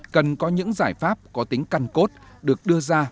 cần có những giải pháp có tính căn cốt được đưa ra